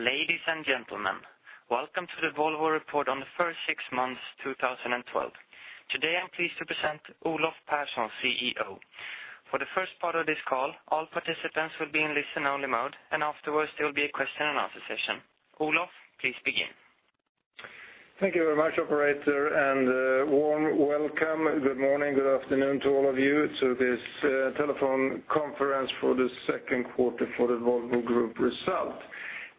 Ladies and gentlemen, welcome to the Volvo report on the first six months 2012. Today, I am pleased to present Olof Persson, CEO. For the first part of this call, all participants will be in listen-only mode, and afterwards there will be a question-and-answer session. Olof, please begin. Thank you very much, operator, and a warm welcome. Good morning, good afternoon to all of you to this telephone conference for the second quarter for the Volvo Group result.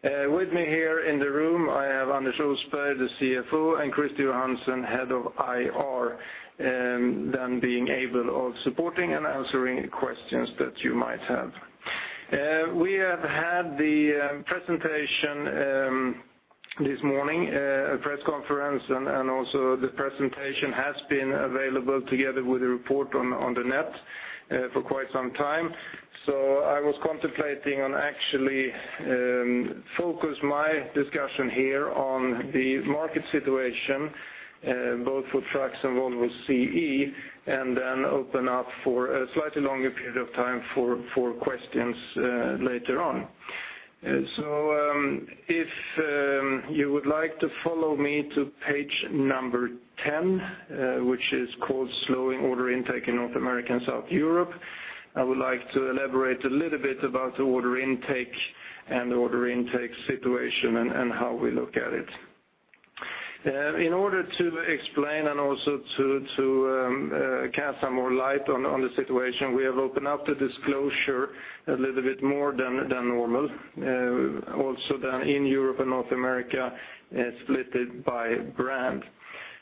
With me here in the room, I have Anders Osberg, the CFO, and Christer Johansson, Head of IR, them being able of supporting and answering questions that you might have. We have had the presentation this morning, a press conference, and also the presentation has been available together with the report on the net for quite some time. I was contemplating on actually focus my discussion here on the market situation, both for trucks and Volvo CE, open up for a slightly longer period of time for questions later on. If you would like to follow me to page number 10, which is called Slowing Order Intake in North America and South Europe, I would like to elaborate a little bit about the order intake and order intake situation and how we look at it. In order to explain and also to cast some more light on the situation, we have opened up the disclosure a little bit more than normal, also down in Europe and North America, splitted by brand.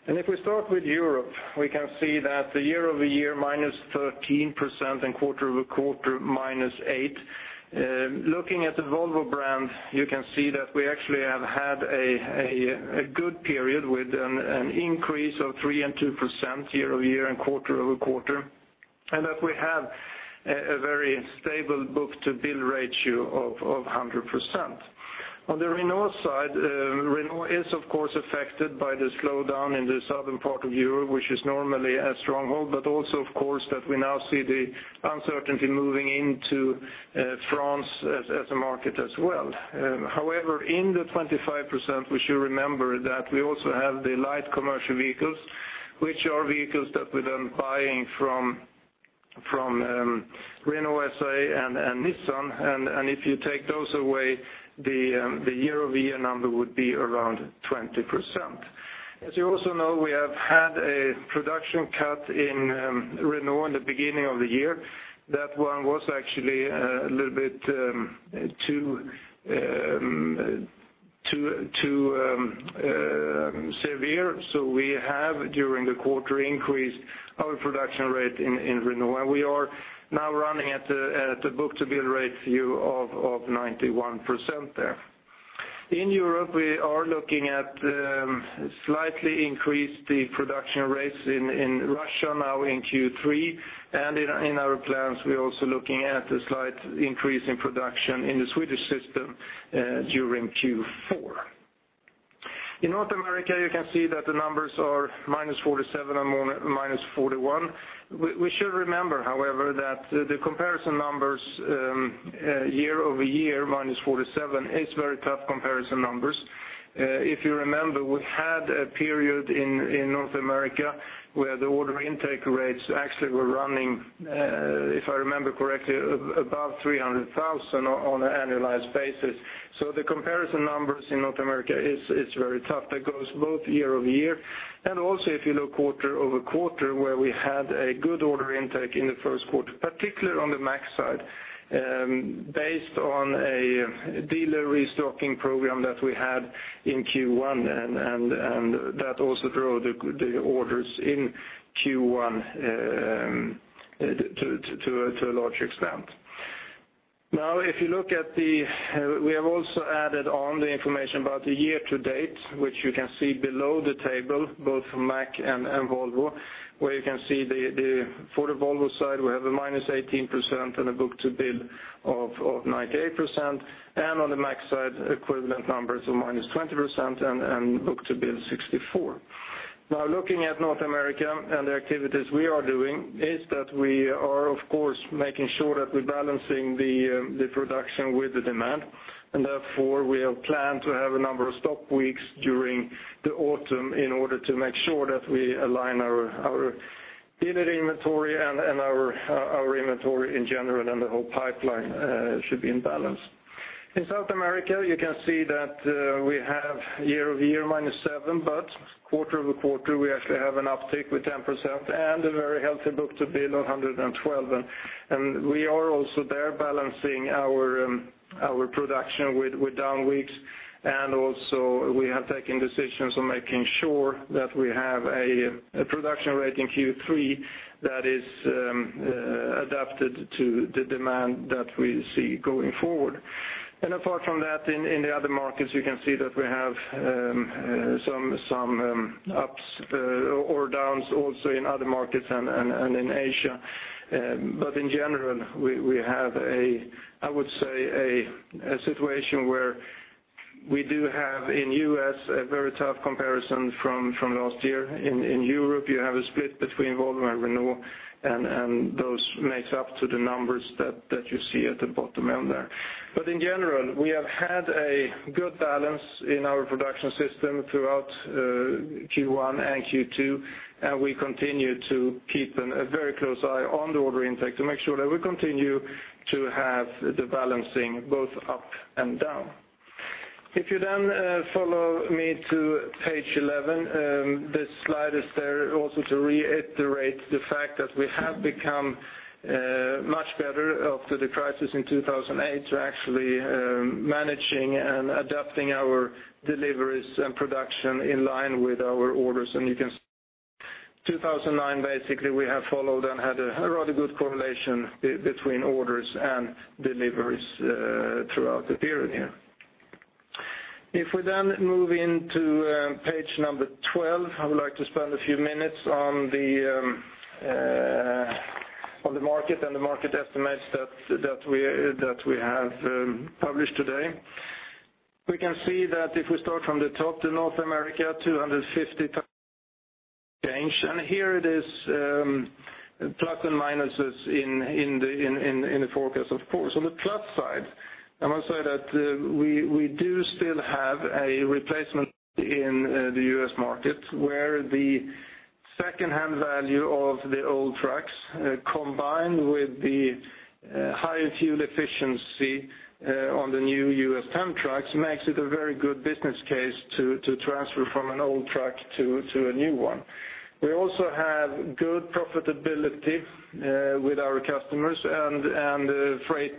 If we start with Europe, we can see that the year-over-year, -13% and quarter-over-quarter, -8%. Looking at the Volvo brand, you can see that we actually have had a good period with an increase of 3% and 2% year-over-year and quarter-over-quarter, and that we have a very stable book-to-bill ratio of 100%. On the Renault side, Renault is, of course, affected by the slowdown in the southern part of Europe, which is normally a stronghold, but also, of course, that we now see the uncertainty moving into France as a market as well. However, in the 25%, we should remember that we also have the light commercial vehicles, which are vehicles that we are then buying from Renault SA and Nissan. If you take those away, the year-over-year number would be around 20%. As you also know, we have had a production cut in Renault in the beginning of the year. That one was actually a little bit too severe. We have, during the quarter, increased our production rate in Renault, and we are now running at a book-to-bill ratio of 91% there. In Europe, we are looking at slightly increased the production rates in Russia now in Q3. In our plans, we're also looking at a slight increase in production in the Swedish system during Q4. In North America, you can see that the numbers are -47 and -41. We should remember, however, that the comparison numbers, year-over-year, -47, is very tough comparison numbers. If you remember, we had a period in North America where the order intake rates actually were running, if I remember correctly, above 300,000 on an annualized basis. The comparison numbers in North America is very tough. That goes both year-over-year and also if you look quarter-over-quarter, where we had a good order intake in the first quarter, particularly on the Mack side, based on a dealer restocking program that we had in Q1, and that also drove the orders in Q1 to a large extent. Now, we have also added on the information about the year to date, which you can see below the table, both for Mack and Volvo, where you can see for the Volvo side, we have a -18% and a book-to-bill of 98%. On the Mack side, equivalent numbers of -20% and book-to-bill 64%. Now looking at North America and the activities we are doing is that we are, of course, making sure that we're balancing the production with the demand, and therefore we have planned to have a number of stop weeks during the autumn in order to make sure that we align our dealer inventory and our inventory in general, and the whole pipeline should be in balance. In South America, you can see that we have year-over-year, -7%, but quarter-over-quarter, we actually have an uptick with 10% and a very healthy book-to-bill, 112%. We are also there balancing our production with down weeks, and also we have taken decisions on making sure that we have a production rate in Q3 that is adapted to the demand that we see going forward. Apart from that, in the other markets, you can see that we have some ups or downs also in other markets and in Asia. In general, we have a, I would say, a situation where we do have in U.S. a very tough comparison from last year. In Europe, you have a split between Volvo and Renault, and those makes up to the numbers that you see at the bottom down there. In general, we have had a good balance in our production system throughout Q1 and Q2, and we continue to keep a very close eye on the order intake to make sure that we continue to have the balancing both up and down. If you follow me to page 11, this slide is there also to reiterate the fact that we have become much better after the crisis in 2008 to actually managing and adapting our deliveries and production in line with our orders. 2009, basically, we have followed and had a rather good correlation between orders and deliveries throughout the period here. If we move into page number 12, I would like to spend a few minutes on the market and the market estimates that we have published today. We can see that if we start from the top, the North America 250 change, and here it is plus and minuses in the forecast, of course. On the plus side, I must say that we do still have a replacement in the U.S. market, where the secondhand value of the old trucks, combined with the higher fuel efficiency on the new US10 trucks, makes it a very good business case to transfer from an old truck to a new one. We also have good profitability with our customers and freight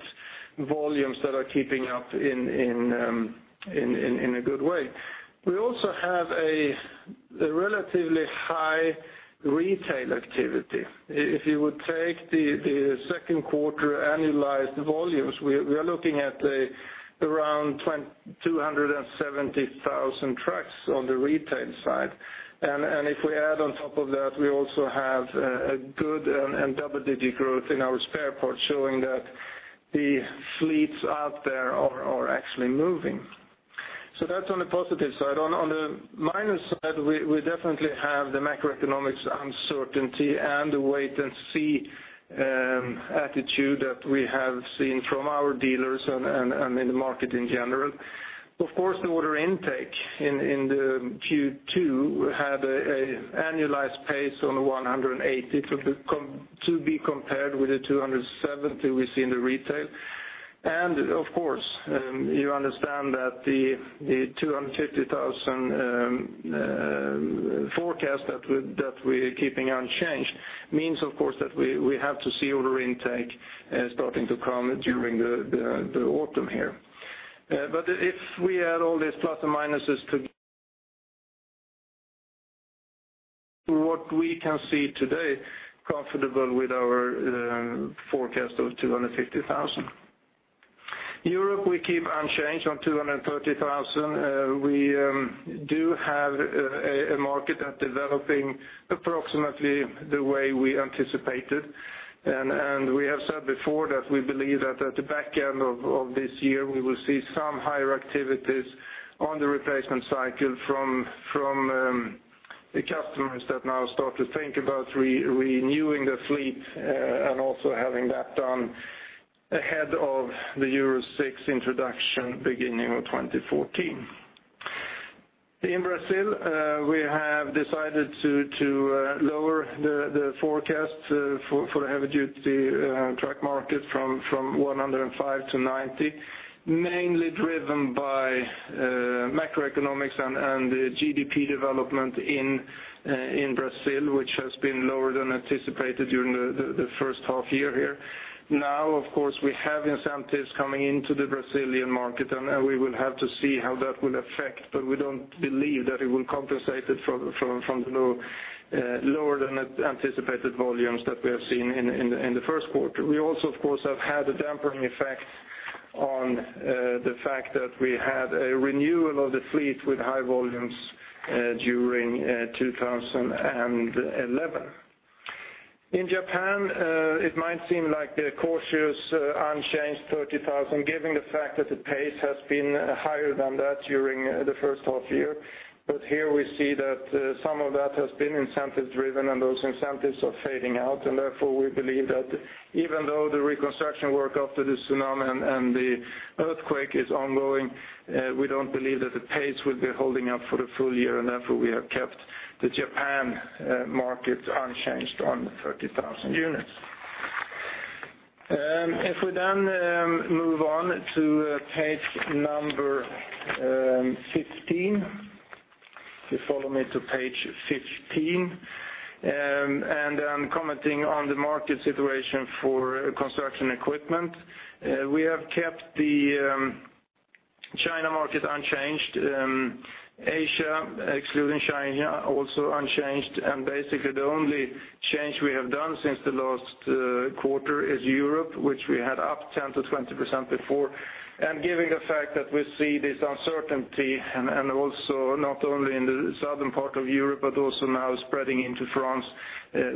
volumes that are keeping up in a good way. We also have a relatively high retail activity. If you would take the second quarter annualized volumes, we are looking at around 270,000 trucks on the retail side. If we add on top of that, we also have a good and double-digit growth in our spare parts, showing that the fleets out there are actually moving. That's on the positive side. On the minus side, we definitely have the macroeconomics uncertainty and the wait and see attitude that we have seen from our dealers and in the market in general. Of course, the order intake in the Q2 had an annualized pace on the 180 to be compared with the 270 we see in the retail. You understand that the 250,000 forecast that we're keeping unchanged means that we have to see order intake starting to come during the autumn here. If we add all these plus and minuses to what we can see today, comfortable with our forecast of 250,000. Europe, we keep unchanged on 230,000. We do have a market that developing approximately the way we anticipated. We have said before that we believe that at the back end of this year, we will see some higher activities on the replacement cycle from the customers that now start to think about renewing their fleet, and also having that done ahead of the Euro 6 introduction beginning of 2014. In Brazil, we have decided to lower the forecast for the heavy-duty truck market from 105 to 90, mainly driven by macroeconomics and the GDP development in Brazil, which has been lower than anticipated during the first half year here. We have incentives coming into the Brazilian market, and we will have to see how that will affect, but we don't believe that it will compensate it from the lower than anticipated volumes that we have seen in the first quarter. We also have had a dampening effect on the fact that we had a renewal of the fleet with high volumes during 2011. In Japan, it might seem like the cautious unchanged 30,000, given the fact that the pace has been higher than that during the first half year. Here we see that some of that has been incentive-driven, and those incentives are fading out, and therefore, we believe that even though the reconstruction work after the tsunami and the earthquake is ongoing, we don't believe that the pace will be holding up for the full year, and therefore we have kept the Japan market unchanged on 30,000 units. We then move on to page number 15. You follow me to page 15, I'm commenting on the market situation for construction equipment. We have kept the China market unchanged. Asia, excluding China, also unchanged, basically the only change we have done since the last quarter is Europe, which we had up 10%-20% before. Given the fact that we see this uncertainty and also not only in the southern part of Europe, but also now spreading into France,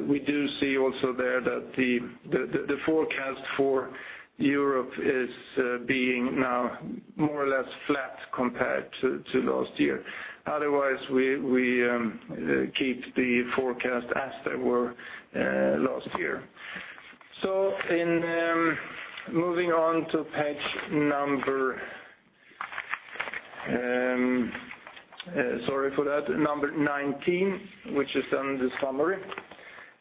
we do see also there that the forecast for Europe is being now more or less flat compared to last year. Otherwise, we keep the forecast as they were last year. Moving on to page 19, which is then the summary.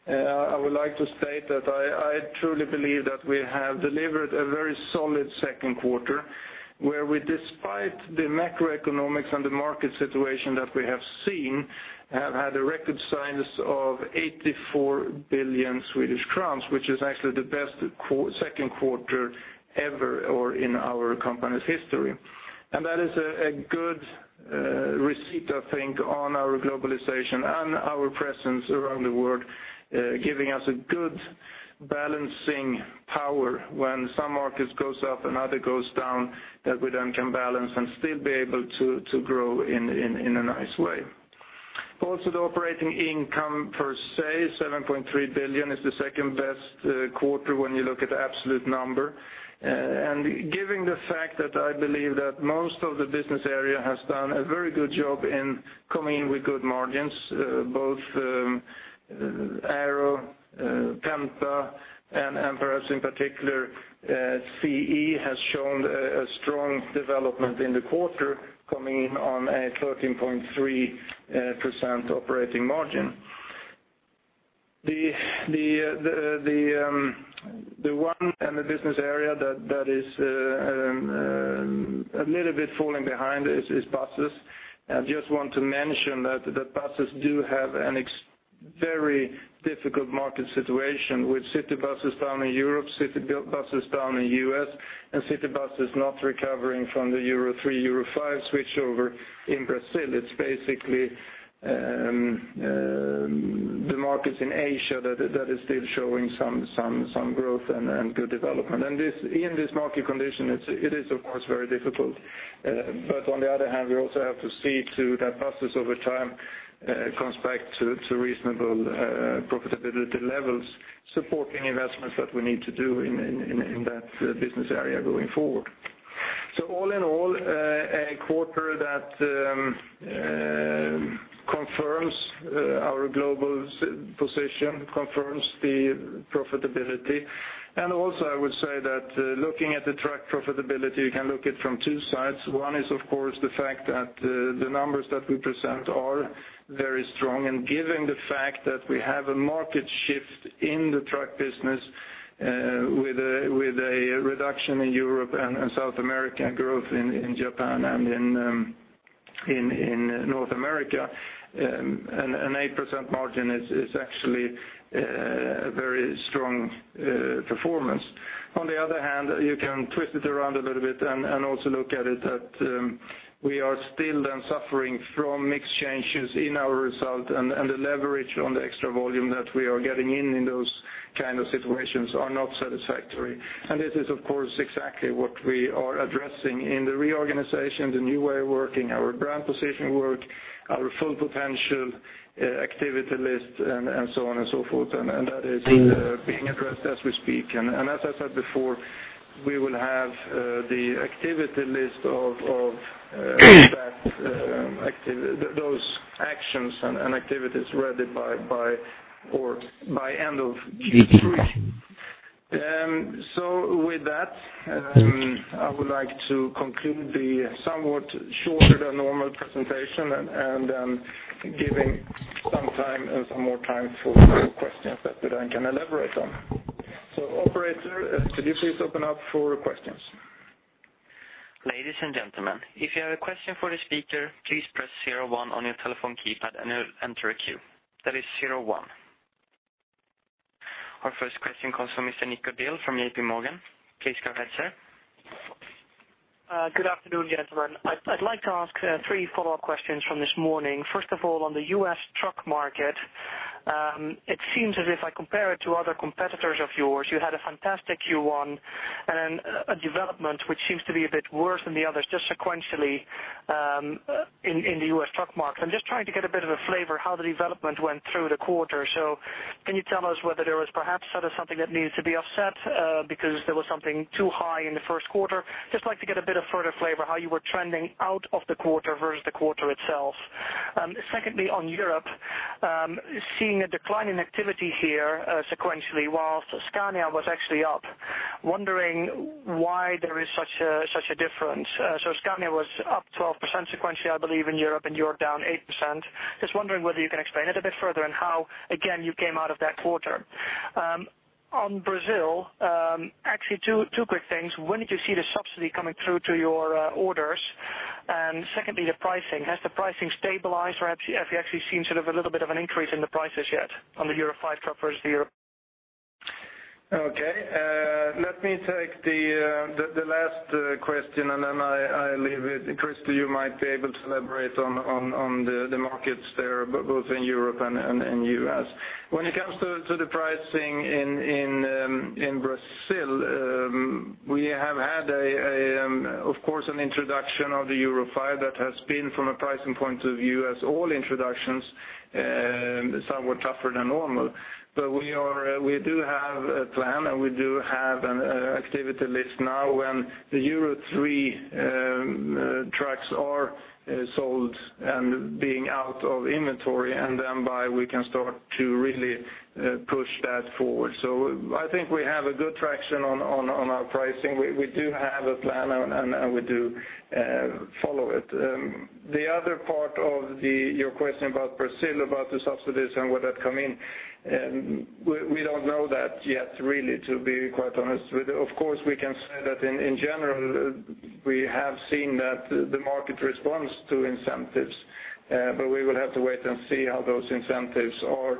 I would like to state that I truly believe that we have delivered a very solid second quarter, where we, despite the macroeconomics and the market situation that we have seen, have had a record signed of 84 billion Swedish crowns, which is actually the best second quarter ever in our company's history. That is a good receipt, I think, on our globalization and our presence around the world, giving us a good balancing power when some markets goes up and other goes down, that we then can balance and still be able to grow in a nice way. Also, the operating income per se, 7.3 billion, is the second-best quarter when you look at the absolute number. Given the fact that I believe that most of the business area has done a very good job in coming in with good margins, both Volvo Aero, Volvo Penta, and perhaps in particular, Volvo CE has shown a strong development in the quarter, coming in on a 13.3% operating margin. The one and the business area that is a little bit falling behind is buses. I just want to mention that buses do have a very difficult market situation with city buses down in Europe, city buses down in U.S., and city buses not recovering from the Euro 3, Euro 5 switchover in Brazil. It is basically the markets in Asia that is still showing some growth and good development. In this market condition, it is of course very difficult. On the other hand, we also have to see to that buses over time comes back to reasonable profitability levels, supporting investments that we need to do in that business area going forward. All in all, a quarter that confirms our global position, confirms the profitability. Also, I would say that looking at the truck profitability, you can look it from two sides. One is, of course, the fact that the numbers that we present are very strong, given the fact that we have a market shift in the truck business with a reduction in Europe and South America, growth in Japan and in North America, an 8% margin is actually a very strong performance. On the other hand, you can twist it around a little bit and also look at it that we are still then suffering from mix changes in our result, the leverage on the extra volume that we are getting in those kind of situations are not satisfactory. This is, of course, exactly what we are addressing in the reorganization, the new way of working, our brand positioning work, our full potential activity list, and so on and so forth, and that is being addressed as we speak. As I said before, we will have the activity list of those actions and activities ready by end of Q3. With that, I would like to conclude the somewhat shorter than normal presentation and giving some more time for questions that I can elaborate on. Operator, could you please open up for questions? Ladies and gentlemen, if you have a question for the speaker, please press 01 on your telephone keypad and it will enter a queue. That is 01. Our first question comes from Mr. Nico Bahl from J.P. Morgan. Please go ahead, sir. Good afternoon, gentlemen. I would like to ask three follow-up questions from this morning. First of all, on the U.S. truck market, it seems as if I compare it to other competitors of yours, you had a fantastic Q1, and then a development which seems to be a bit worse than the others, just sequentially, in the U.S. truck market. I am just trying to get a bit of a flavor how the development went through the quarter. Can you tell us whether there was perhaps sort of something that needs to be offset because there was something too high in the first quarter? Just like to get a bit of further flavor how you were trending out of the quarter versus the quarter itself. Secondly, on Europe, seeing a decline in activity here sequentially whilst Scania was actually up, wondering why there is such a difference. Scania was up 12% sequentially, I believe, in Europe, and you are down 8%. Just wondering whether you can explain it a bit further and how, again, you came out of that quarter. On Brazil, actually two quick things. When did you see the subsidy coming through to your orders? And secondly, the pricing. Has the pricing stabilized or have you actually seen sort of a little bit of an increase in the prices yet on the Euro 5 truck versus the Euro- Let me take the last question and then I leave it. Christer, you might be able to elaborate on the markets there, both in Europe and U.S. When it comes to the pricing in Brazil, we have had a Of course, an introduction of the Euro 5 that has been from a pricing point of view as all introductions, somewhat tougher than normal. We do have a plan and we do have an activity list now when the Euro 3 trucks are sold and being out of inventory, and then by we can start to really push that forward. I think we have a good traction on our pricing. We do have a plan and we do follow it. The other part of your question about Brazil, about the subsidies and would that come in? We don't know that yet really, to be quite honest with you. Of course, we can say that in general we have seen that the market responds to incentives, we will have to wait and see how those incentives are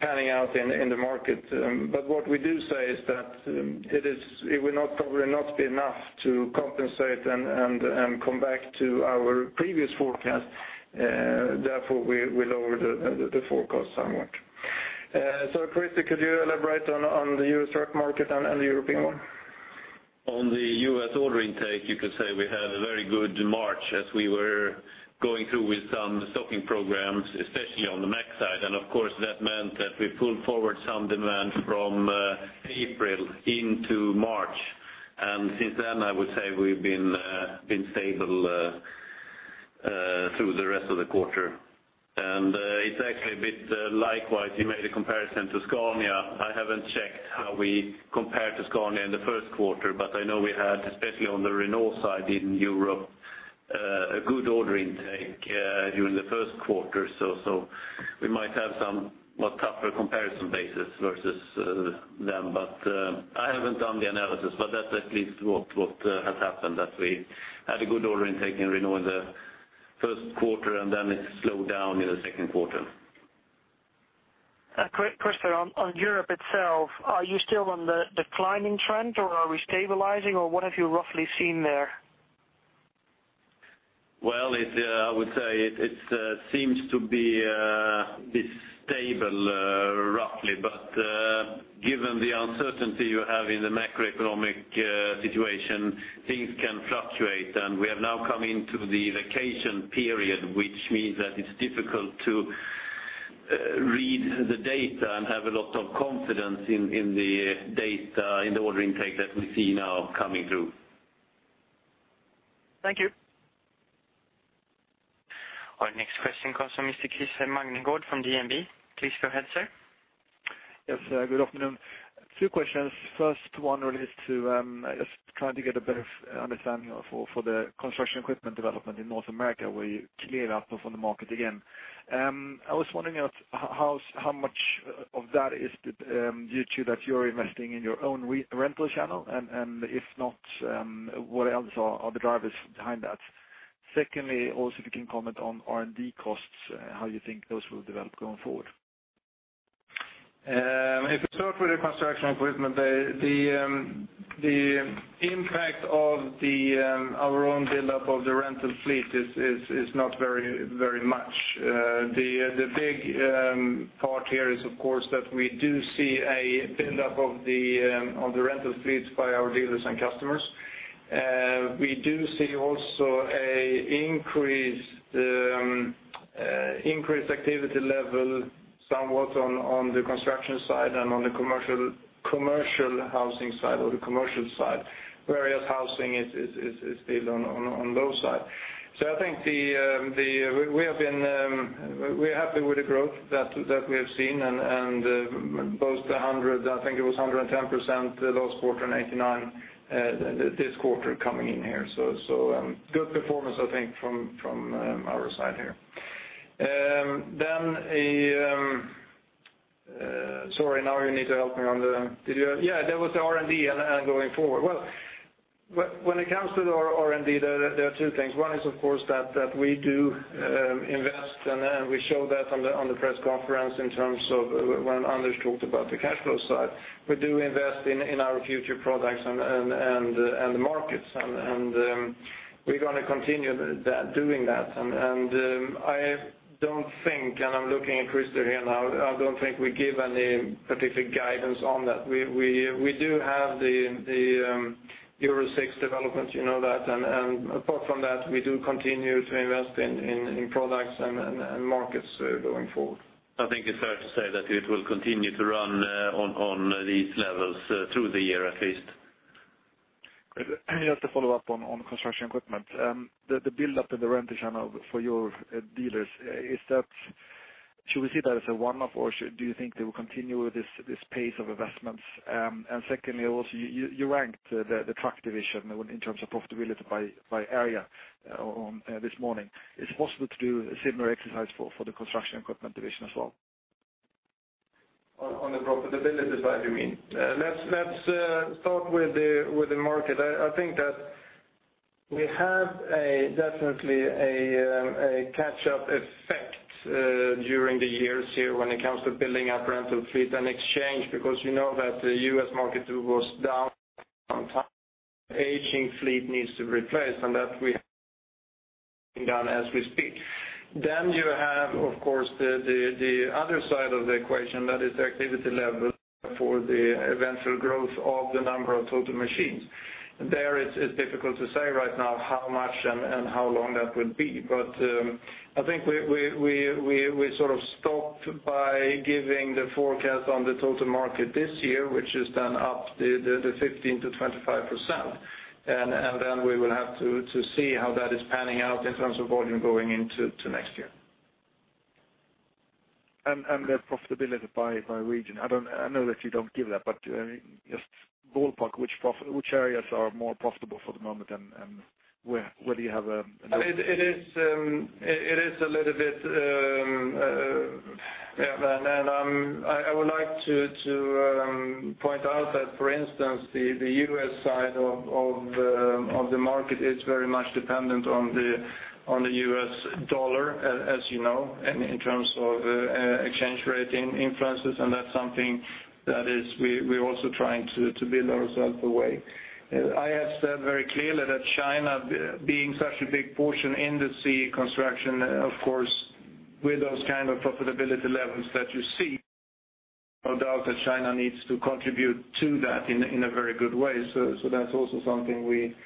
panning out in the market. What we do say is that it will not probably be enough to compensate and come back to our previous forecast, therefore we lower the forecast somewhat. Christer, could you elaborate on the U.S. truck market and the European one? On the U.S. order intake, you could say we had a very good March as we were going through with some stocking programs, especially on the Mack side. Of course, that meant that we pulled forward some demand from April into March. Since then, I would say we've been stable through the rest of the quarter. It's actually a bit likewise, you made a comparison to Scania. I haven't checked how we compare to Scania in the first quarter, but I know we had, especially on the Renault side in Europe, a good order intake during the first quarter or so. We might have some more tougher comparison basis versus them. I haven't done the analysis, but that's at least what has happened, that we had a good order intake in Renault in the first quarter and then it slowed down in the second quarter. Christer, on Europe itself, are you still on the declining trend or are we stabilizing, or what have you roughly seen there? Well, I would say it seems to be stable, roughly. Given the uncertainty you have in the macroeconomic situation, things can fluctuate. We have now come into the vacation period, which means that it is difficult to read the data and have a lot of confidence in the data, in the order intake that we see now coming through. Thank you. Our next question comes from Mr. Krister Magnergård from DNB. Please go ahead, sir. Yes, good afternoon. Two questions. First one relates to just trying to get a better understanding for the construction equipment development in North America where you cleared up from the market again. I was wondering how much of that is due to that you're investing in your own rental channel, and if not, what else are the drivers behind that? Secondly, also, if you can comment on R&D costs, how you think those will develop going forward? If you start with the Construction Equipment, the impact of our own build-up of the rental fleet is not very much. The big part here is, of course, that we do see a build-up of the rental fleets by our dealers and customers. We do see also increased activity level somewhat on the construction side and on the commercial housing side or the commercial side, whereas housing is still on low side. I think we are happy with the growth that we have seen, and both the 100, I think it was 110% last quarter and 89 this quarter coming in here. Good performance, I think, from our side here. Sorry, now you need to help me. There was the R&D and going forward. When it comes to the R&D, there are two things. One is, of course, that we do invest, and we show that on the press conference in terms of when Anders talked about the cash flow side. We do invest in our future products and the markets, and we're going to continue doing that. I'm looking at Christer here now, I don't think we give any specific guidance on that. We do have the Euro 6 development, you know that, apart from that, we do continue to invest in products and markets going forward. I think it's fair to say that it will continue to run on these levels through the year at least. Just to follow up on Construction Equipment. The build-up in the rental channel for your dealers, should we see that as a one-off, or do you think they will continue with this pace of investments? Secondly, also, you ranked the Truck division in terms of profitability by area this morning. It's possible to do a similar exercise for the Construction Equipment division as well. On the profitability side, you mean? Let's start with the market. I think that we have definitely a catch-up effect during the years here when it comes to building up rental fleet and exchange, because you know that the U.S. market was down some time. Aging fleet needs to replace. That we have done as we speak. You have, of course, the other side of the equation that is the activity level for the eventual growth of the number of total machines. There, it's difficult to say right now how much and how long that will be. I think we sort of stopped by giving the forecast on the total market this year, which is then up to 15%-25%. We will have to see how that is panning out in terms of volume going into next year. The profitability by region. I know that you don't give that, just ballpark which areas are more profitable for the moment and where do you have. It is a little bit. I would like to point out that, for instance, the U.S. side of the market is very much dependent on the US dollar, as you know. In terms of exchange rate influences, that's something that we're also trying to build ourselves away. I have said very clearly that China being such a big portion in the CE construction, of course, with those kind of profitability levels that you see, no doubt that China needs to contribute to that in a very good way. That's also something we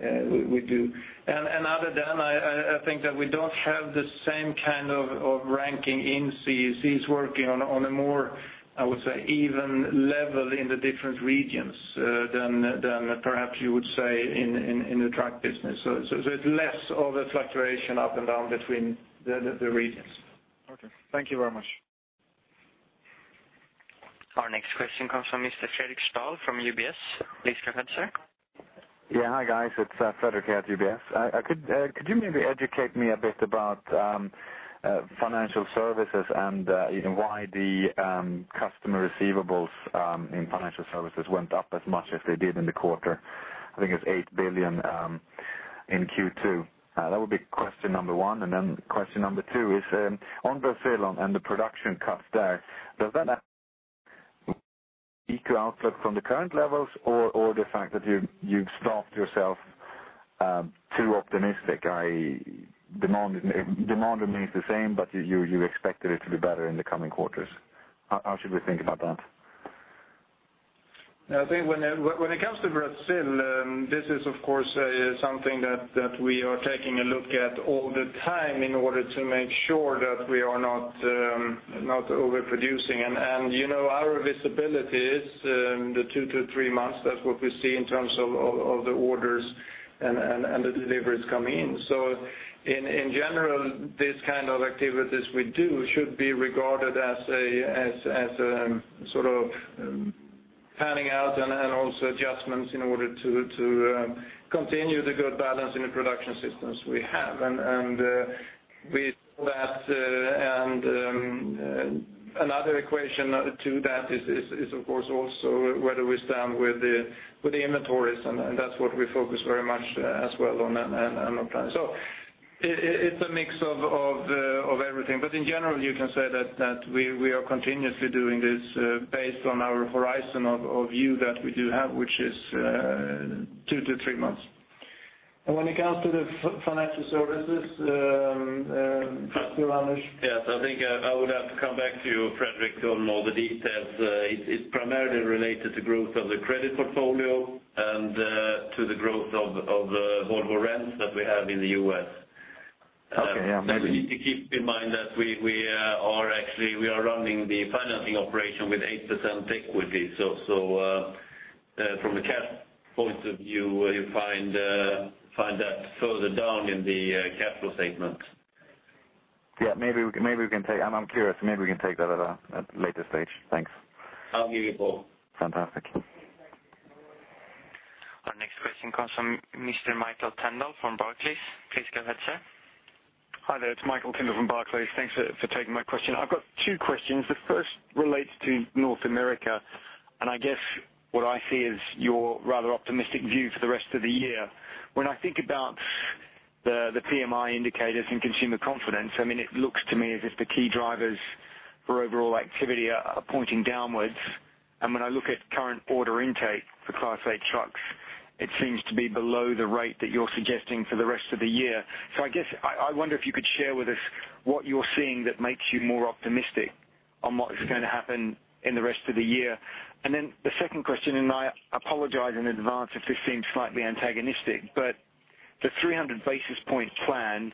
do. Other than, I think that we don't have the same kind of ranking in CEs working on a more, I would say, even level in the different regions than perhaps you would say in the truck business. It's less of a fluctuation up and down between the regions. Okay. Thank you very much. Our next question comes from Mr. Fredric Stahl from UBS. Please go ahead, sir. Yeah. Hi, guys. It's Fredric at UBS. Could you maybe educate me a bit about financial services and why the customer receivables in financial services went up as much as they did in the quarter? I think it's 8 billion in Q2. That would be question number one, and then question number two is on Brazil and the production cuts there. Does that equal outlook from the current levels or the fact that you've staffed yourself too optimistic? Demand remains the same, but you expected it to be better in the coming quarters. How should we think about that? I think when it comes to Brazil, this is of course something that we are taking a look at all the time in order to make sure that we are not overproducing. Our visibility is the two to three months. That's what we see in terms of the orders and the deliveries coming in. In general, these kind of activities we do should be regarded as a sort of planning out and also adjustments in order to continue the good balance in the production systems we have. We saw that, and another equation to that is of course also where do we stand with the inventories, and that's what we focus very much as well on that and on time. It's a mix of everything, but in general, you can say that we are continuously doing this based on our horizon of view that we do have, which is two to three months. When it comes to the financial services, Anders? Yes, I think I would have to come back to you, Fredric, on all the details. It's primarily related to growth of the credit portfolio and to the growth of the Volvo Rents that we have in the U.S. Okay, yeah, maybe. You need to keep in mind that we are running the financing operation with 8% equity. From the cash point of view, you find that further down in the capital statement. Yeah. I'm curious. Maybe we can take that at a later stage. Thanks. I'll give you a call. Fantastic. Our next question comes from Mr. Michael Tyndall from Barclays. Please go ahead, sir. Hi there. It's Michael Tyndall from Barclays. Thanks for taking my question. I've got two questions. The first relates to North America, and I guess what I see is your rather optimistic view for the rest of the year. When I think about the PMI indicators and consumer confidence, it looks to me as if the key drivers for overall activity are pointing downwards. When I look at current order intake for Class 8 trucks, it seems to be below the rate that you're suggesting for the rest of the year. I guess I wonder if you could share with us what you're seeing that makes you more optimistic on what is going to happen in the rest of the year. The second question, and I apologize in advance if this seems slightly antagonistic, but the 300 basis point plan,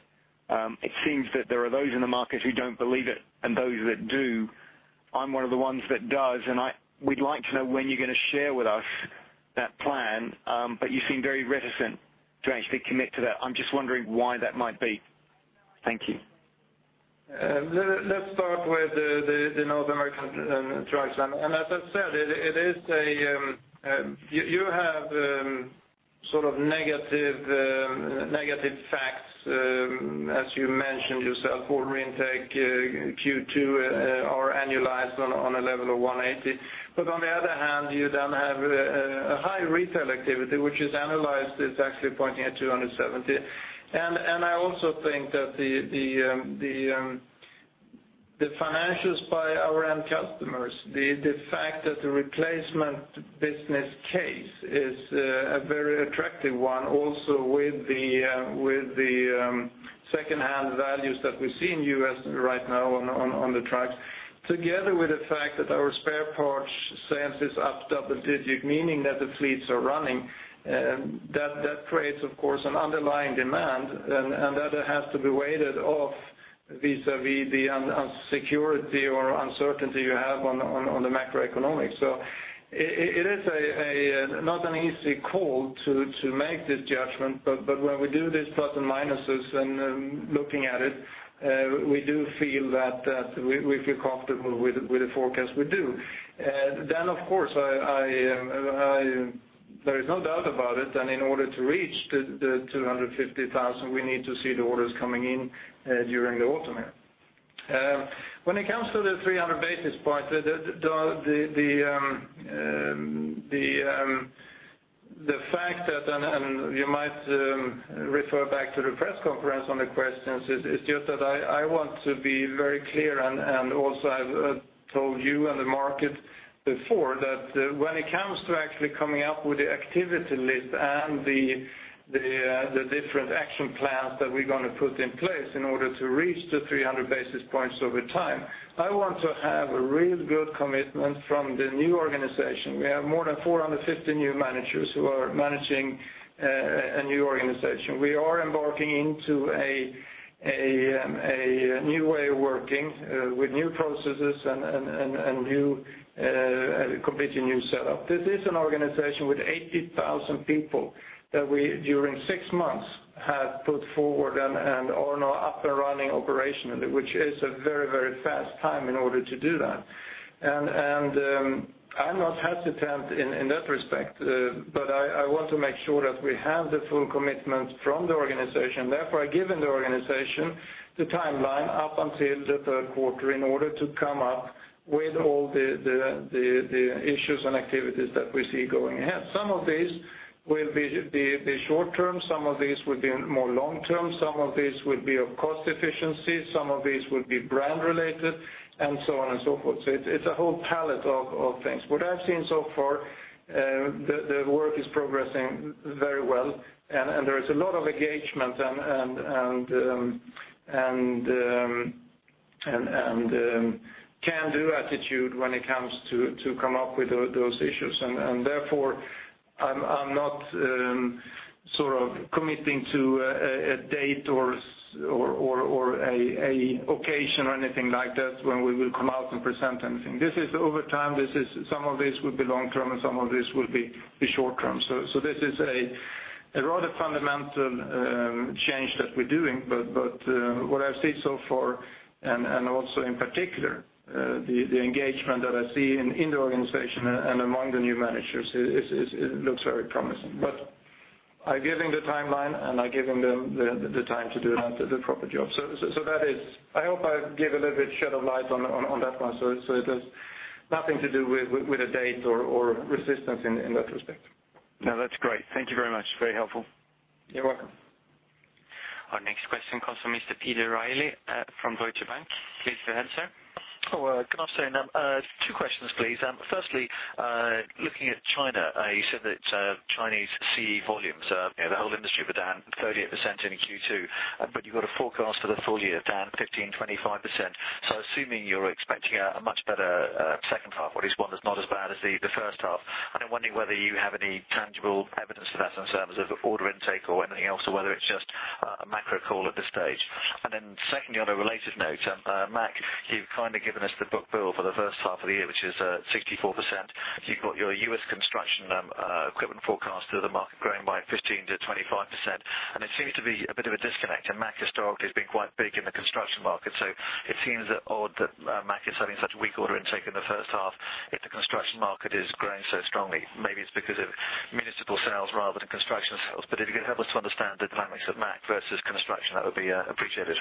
it seems that there are those in the market who don't believe it and those that do. I'm one of the ones that does, and we'd like to know when you're going to share with us that plan, but you seem very reticent to actually commit to that. I'm just wondering why that might be. Thank you. Let's start with the North American trucks. As I said, you have sort of negative facts as you mentioned yourself, order intake, Q2 are annualized on a level of 180. On the other hand, you then have a high retail activity, which is analyzed, it's actually pointing at 270. I also think that the financials by our end customers, the fact that the replacement business case is a very attractive one also with the secondhand values that we see in the U.S. right now on the trucks, together with the fact that our spare parts sales is up double-digit, meaning that the fleets are running, that creates, of course, an underlying demand, and that has to be weighted off vis-à-vis the security or uncertainty you have on the macroeconomics. It is not an easy call to make this judgment, but when we do these plus and minuses and looking at it, we do feel comfortable with the forecast we do. Of course, there is no doubt about it, in order to reach the 250,000, we need to see the orders coming in during the autumn here. When it comes to the 300 basis points, the fact that, you might refer back to the press conference on the questions, it is just that I want to be very clear, I've told you and the market before that when it comes to actually coming up with the activity list and the different action plans that we're going to put in place in order to reach the 300 basis points over time, I want to have a really good commitment from the new organization. We have more than 450 new managers who are managing a new organization. We are embarking into a new way of working with new processes and a completely new setup. This is an organization with 80,000 people that we, during six months, have put forward and are now up and running operationally, which is a very fast time in order to do that. I'm not hesitant in that respect. I want to make sure that we have the full commitment from the organization. Therefore, I've given the organization the timeline up until the third quarter in order to come up with all the issues and activities that we see going ahead. Some of these will be short-term, some of these will be more long-term, some of these will be of cost-efficiency, some of these will be brand-related, and so on and so forth. It's a whole palette of things. What I've seen so far, the work is progressing very well, and there is a lot of engagement and can-do attitude when it comes to coming up with those issues. Therefore, I'm not committing to a date or an occasion or anything like that when we will come out and present anything. This is over time. Some of this will be long-term, and some of this will be short-term. This is a rather fundamental change that we're doing. What I've seen so far, and also in particular, the engagement that I see in the organization and among the new managers, it looks very promising. I've given the timeline, and I've given them the time to do the proper job. I hope I give a little bit of shed of light on that one. It has nothing to do with a date or resistance in that respect. That's great. Thank you very much. Very helpful. You're welcome. Our next question comes from Mr. Peter Reilly from Deutsche Bank. Please go ahead, sir. Good afternoon. Two questions, please. Firstly, looking at China, you said that Chinese CE volumes, the whole industry were down 38% in Q2, you've got a forecast for the full year down 15%-25%. I'm assuming you're expecting a much better second half, or at least one that's not as bad as the first half. I'm wondering whether you have any tangible evidence for that in terms of order intake or anything else, or whether it's just a macro call at this stage. Secondly, on a related note, Mack, you've kind of given us the book-to-bill for the first half of the year, which is 64%. You've got your U.S. construction equipment forecast through the market growing by 15%-25%, it seems to be a bit of a disconnect. Mack historically has been quite big in the construction market, it seems odd that Mack is having such weak order intake in the first half if the construction market is growing so strongly. Maybe it's because of municipal sales rather than construction sales, if you could help us to understand the dynamics of Mack versus construction, that would be appreciated.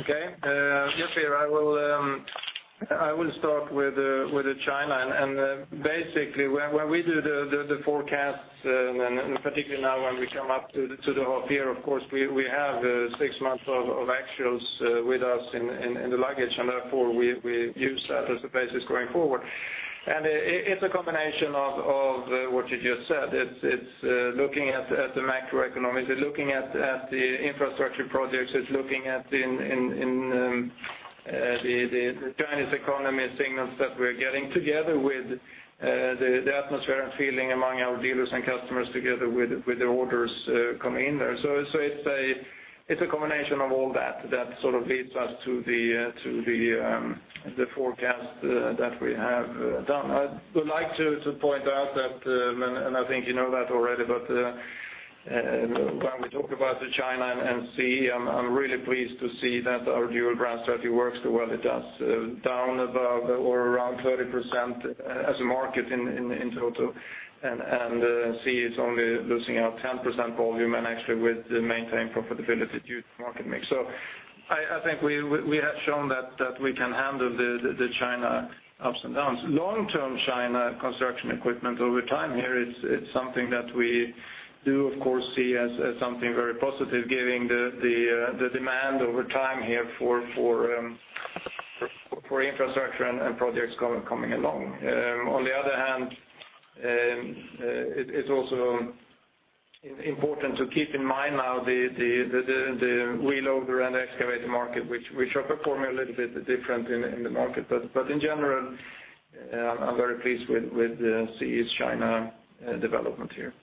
Okay. Yes, Peter Reilly, I will start with China. Basically, when we do the forecasts, particularly now when we come up to the half year, of course, we have 6 months of actuals with us in the luggage, therefore we use that as a basis going forward. It's a combination of what you just said. It's looking at the macroeconomics, it's looking at the infrastructure projects, it's looking at the Chinese economy signals that we're getting together with the atmosphere and feeling among our dealers and customers, together with the orders coming in there. It's a combination of all that that sort of leads us to the forecast that we have done. I would like to point out that, I think you know that already, when we talk about China and CE, I'm really pleased to see that our dual brand strategy works the way it does, down above or around 30% as a market in total, CE is only losing out 10% volume and actually with maintained profitability due to market mix. I think we have shown that we can handle the China ups and downs. Long-term China construction equipment over time here, it's something that we do, of course, see as something very positive given the demand over time here for infrastructure and projects coming along. On the other hand, it's also important to keep in mind now the wheel loader and excavator market, which are performing a little bit different in the market. In general, I'm very pleased with the East China development here.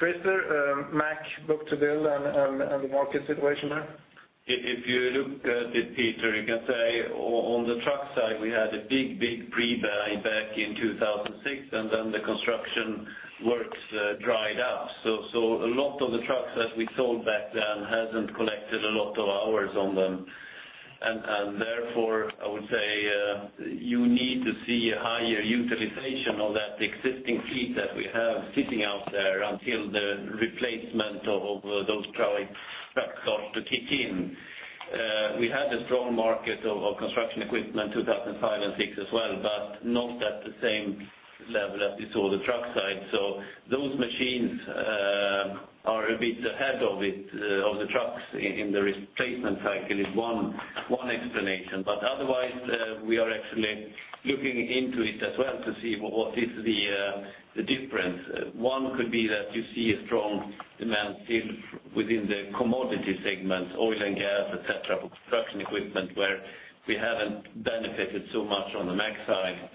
Christer, Mack book-to-bill and the market situation there. If you look at it, Peter, you can say on the truck side, we had a big pre-buy back in 2006, then the construction works dried up. A lot of the trucks that we sold back then hasn't collected a lot of hours on them. Therefore, I would say, you need to see a higher utilization of that existing fleet that we have sitting out there until the replacement of those trucks start to kick in. We had a strong market of construction equipment 2005 and 2006 as well, not at the same level as we saw the truck side. Those machines are a bit ahead of the trucks in the replacement cycle is one explanation. Otherwise, we are actually looking into it as well to see what is the difference. One could be that you see a strong demand still within the commodity segment, oil and gas, et cetera, for construction equipment, where we haven't benefited so much on the Mack side,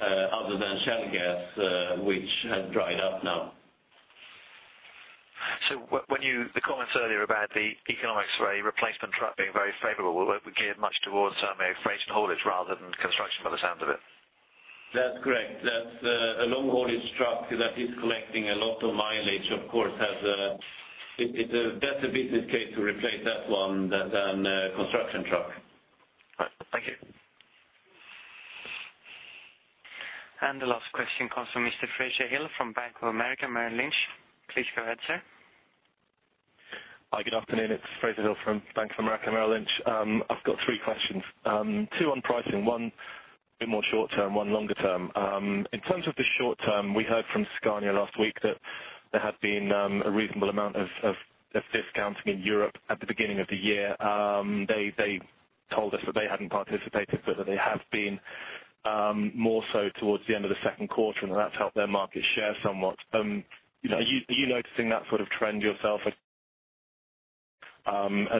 other than shale gas, which has dried up now. The comments earlier about the economics for a replacement truck being very favorable, would geared much towards some freight and haulage rather than construction by the sounds of it. That's correct. That's a long-haulage truck that is collecting a lot of mileage, of course, that's a business case to replace that one than a construction truck. Right. Thank you. The last question comes from Mr. Fraser Hill from Bank of America, Merrill Lynch. Please go ahead, sir. Hi, good afternoon. It's Fraser Hill from Bank of America, Merrill Lynch. I've got three questions. Two on pricing, one a bit more short-term, one longer term. In terms of the short term, we heard from Scania last week that there had been a reasonable amount of discounting in Europe at the beginning of the year. They told us that they hadn't participated, but that they have been more so towards the end of the second quarter, and that's helped their market share somewhat. Are you noticing that sort of trend yourself?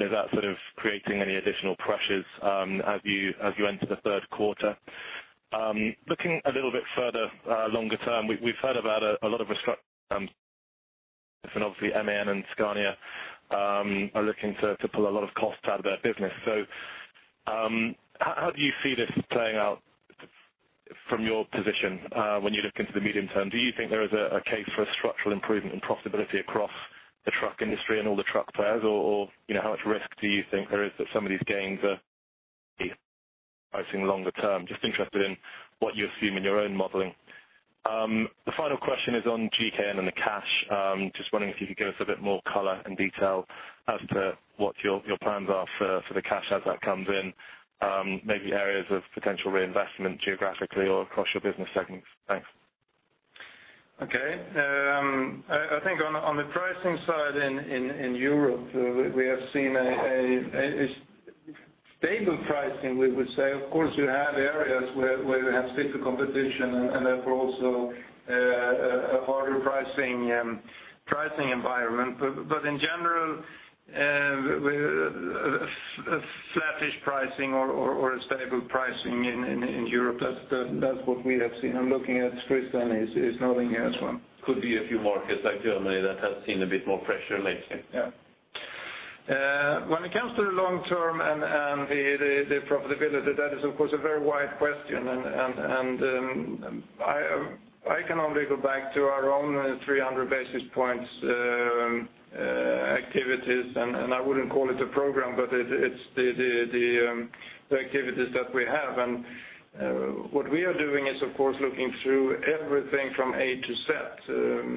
Is that creating any additional pressures as you enter the third quarter? Looking a little bit further longer term, we've heard about a lot of restructuring, and obviously MAN and Scania are looking to pull a lot of costs out of their business. How do you see this playing out from your position, when you look into the medium term? Do you think there is a case for a structural improvement in profitability across the truck industry and all the truck players? How much risk do you think there is that some of these gains are pricing longer term? Just interested in what you assume in your own modeling. The final question is on GKN and the cash. Just wondering if you could give us a bit more color and detail as to what your plans are for the cash as that comes in, maybe areas of potential reinvestment geographically or across your business segments. Thanks. Okay. I think on the pricing side in Europe, we have seen a stable pricing, we would say. Of course, you have areas where you have stiffer competition and therefore also a harder pricing environment. In general, flattish pricing or a stable pricing in Europe. That's what we have seen. I'm looking at Christer, he's nodding here as well. Could be a few markets like Germany that has seen a bit more pressure lately. Yeah. When it comes to the long term and the profitability, that is, of course, a very wide question, I can only go back to our own 300 basis points activities, I wouldn't call it a program, but it's the activities that we have. What we are doing is, of course, looking through everything from A to Z,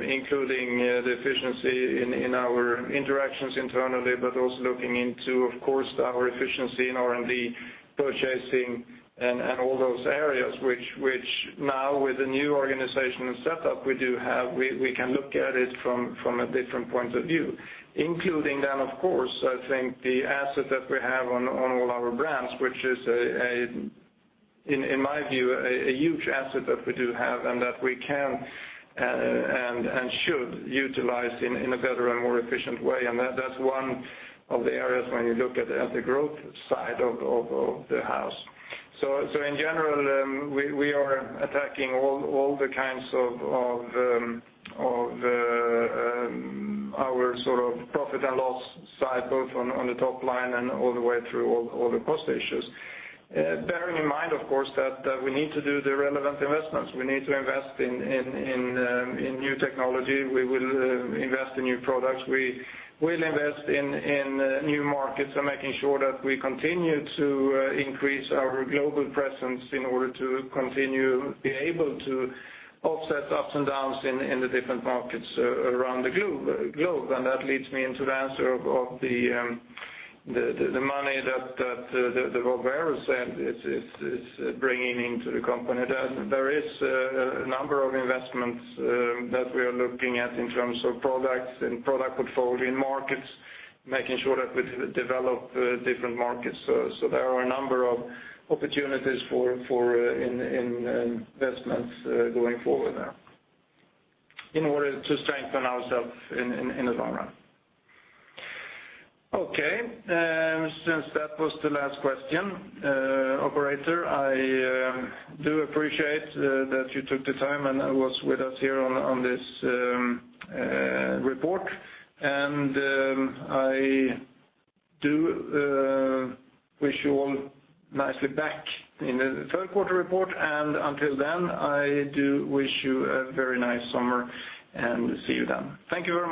including the efficiency in our interactions internally, but also looking into, of course, our efficiency in R&D, purchasing, and all those areas, which now with the new organizational set up we do have, we can look at it from a different point of view. Including then, of course, I think the asset that we have on all our brands, which is, in my view, a huge asset that we do have and that we can and should utilize in a better and more efficient way. That's one of the areas when you look at the growth side of the house. In general, we are attacking all the kinds of our profit and loss side, both on the top line and all the way through all the cost issues. Bearing in mind, of course, that we need to do the relevant investments. We need to invest in new technology. We will invest in new products. We will invest in new markets and making sure that we continue to increase our global presence in order to continue being able to offset ups and downs in the different markets around the globe. That leads me into the answer of the money that Volvo Trucks is bringing into the company. There is a number of investments that we are looking at in terms of products and product portfolio in markets, making sure that we develop different markets. There are a number of opportunities in investments going forward there in order to strengthen ourselves in the long run. Okay. Since that was the last question, operator, I do appreciate that you took the time and was with us here on this report. I do wish you all nicely back in the third quarter report. Until then, I do wish you a very nice summer, and see you then. Thank you very much.